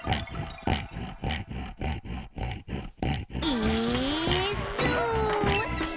「イーッス」